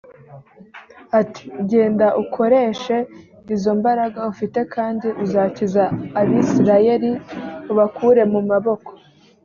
ati “genda ukoreshe izo mbaraga ufite kandi uzakiza abisirayeli ubakure mu maboko